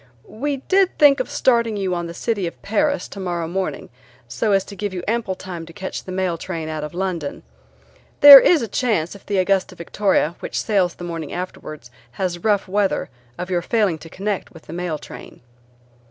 "We did think of starting you on the City of Paris tomorrow morning, so as to give you ample time to catch the mail train out of London. There is a chance if the Augusta Victoria, which sails the morning afterwards, has rough weather of your failing to connect with the mail train."